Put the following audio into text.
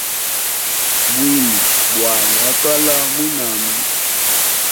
Bwili bwali akala mwinami.